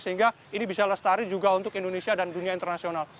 sehingga ini bisa lestari juga untuk indonesia dan dunia internasional